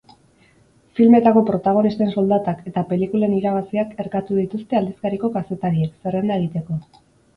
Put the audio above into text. Filmetako protagonisten soldatak eta pelikulen irabaziak erkatu dituzte aldizkariko kazetariek, zerrenda egiteko.